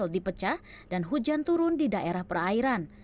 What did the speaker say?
dipecah dan hujan turun di daerah perairan